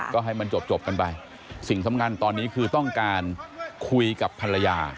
ก็ให้มันจบกันไปสิ่งสำคัญตอนนี้คือต้องการคุยกับภรรยา